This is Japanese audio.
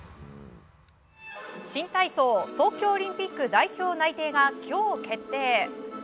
新体操、東京オリンピック代表内定が今日決定。